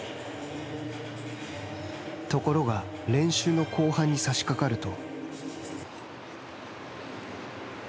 ところが練習の後半にさしかかると。